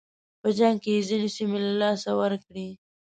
په جنګ کې یې ځینې سیمې له لاسه ورکړې.